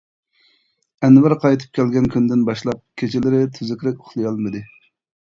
ئەنۋەر قايتىپ كەلگەن كۈندىن باشلاپ كېچىلىرى تۈزۈكرەك ئۇخلىيالمىدى.